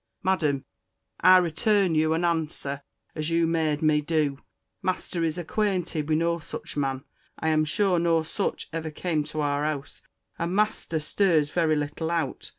MADDAM, I return you an anser, as you wish me to doe. Master is acquented with no sitch man. I am shure no sitch ever came to our house. And master sturs very little out.